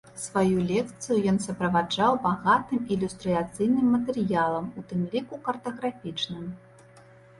Сваю лекцыю ён суправаджаў багатым ілюстрацыйным матэрыялам, у тым ліку картаграфічным.